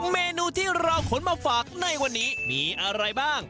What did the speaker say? เมนูที่เราขนมาฝากในวันนี้มีอะไรบ้าง